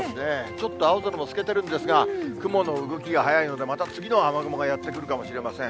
ちょっと青空も透けてるんですが、雲の動きが早いので、また次の雨雲がやって来るかもしれません。